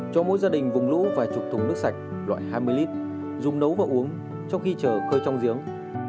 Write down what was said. cho mỗi gia đình vùng lũ vài chục thùng nước sạch loại hai mươi lít dùng nấu và uống trong khi chờ cơi trong giếng